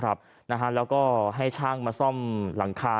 แล้วก็ให้ช่างมาซ่อมหลังคา